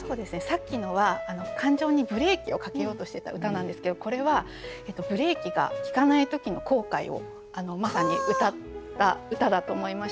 さっきのは感情にブレーキをかけようとしてた歌なんですけどこれはブレーキが利かない時の後悔をまさにうたった歌だと思いました。